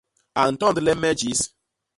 A ntondle me jis.